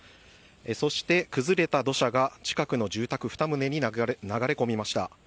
そして、崩れた土砂が近くの住宅２棟に流れ込みました。